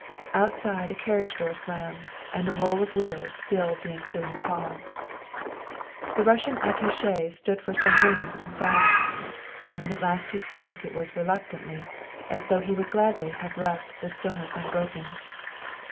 Outside a carriage door slammed and the roll of wheels filled the ensuing pause. The Russian Attache stood for some minutes in silence, and when at last he spoke it was reluctantly, as though he would gladly have left the stillness unbroken.